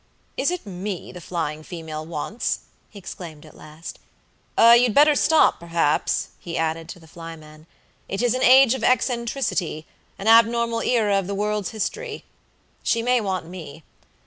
"Is it me the flying female wants?" he exclaimed, at last. "You'd better stop, perhaps," he added, to the flyman. "It is an age of eccentricity, an abnormal era of the world's history. She may want me.